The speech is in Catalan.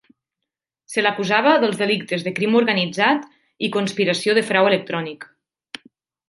Se l'acusava dels delictes de crim organitzat i conspiració de frau electrònic.